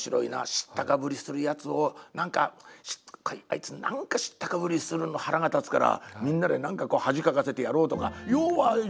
知ったかぶりするやつを何かあいつ何か知ったかぶりするの腹が立つからみんなで何か恥かかせてやろうとか要はハハハハ！